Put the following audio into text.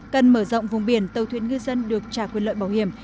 cần mở rộng vùng biển tâu thuyết ngư dân được trả quyền lợi bảo hiểm